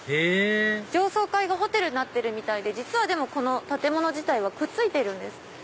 へぇ上層階がホテルになってるみたいでこの建物自体はくっついているんです。